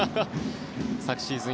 昨シーズン